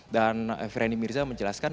dan feryandi mirza menjelaskan